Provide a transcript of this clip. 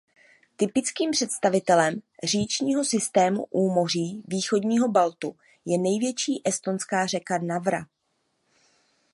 Typickým představitelem říčního systému úmoří východního Baltu je největší estonská řeka Narva.